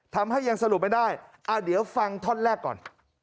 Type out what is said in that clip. ทำให้ยังสรุปไม่ได้เดี๋ยวฟังท่อนแรกก่อน